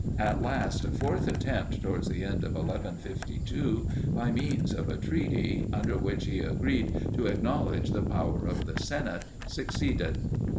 At last, a fourth attempt towards the end of 1152, by means of a treaty, under which he agreed to acknowledge the power of the senate, succeeded.